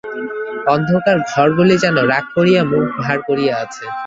অন্ধকার ঘরগুলি যেন রাগ করিয়া মুখ ভার করিয়া আছে।